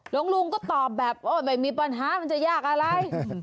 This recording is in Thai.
ลุงก็ตอบแบบโอ้ไม่มีปัญหามันจะยากอะไร